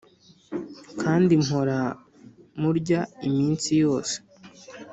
kandi mpora murya iminsi yose.